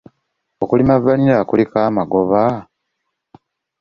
Okulima vanilla kuliko amagoba?